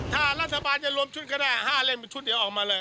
ถ้ารัฐบาลจะรวมชุดก็ได้๕เล่มเป็นชุดเดี๋ยวออกมาเลย